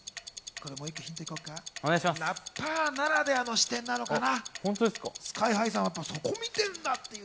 ラッパーならではの視点なのかな？